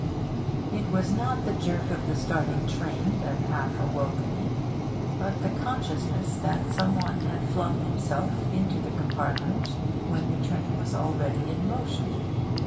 It was not the jerk of the starting train that half awoke me, but the consciousness that some one had flung himself into the compartment when the train was already in motion.